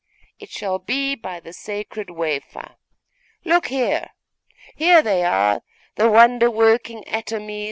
It shall be by the sacred wafer. Look here! here they are, the wonder working atomies!